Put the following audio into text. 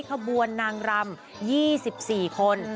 ขบวนนางรำ๒๔คน